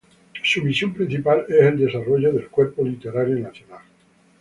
Su misión principal es el desarrollo del cuerpo literario nacional.